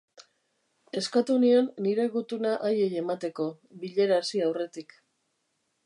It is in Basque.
Eskatu nion nire gutuna haiei emateko, bilera hasi aurretik.